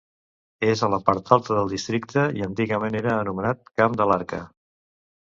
És a la part alta del districte i antigament era anomenat Camp de l'Arca.